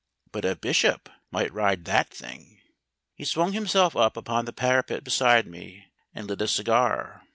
But a Bishop might ride that thing." He swung himself up upon the parapet beside me and lit a cigar.